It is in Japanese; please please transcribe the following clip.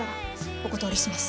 お断りします！